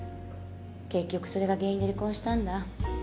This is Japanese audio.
結局それが原因で離婚したんだ。